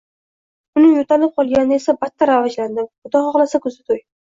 Uning yo`talib qolganidan esa battar avjlandim, Xudo xohlasa, kuzda to`y